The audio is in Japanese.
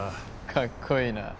かっこいいな。